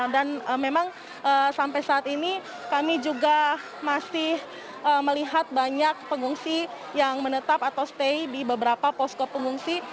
dan memang sampai saat ini kami juga masih melihat banyak pengungsi yang menetap atau stay di beberapa posko pengungsi